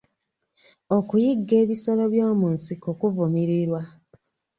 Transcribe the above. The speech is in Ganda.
Okuyigga ebisolo by'omu nsiko kivumirirwa.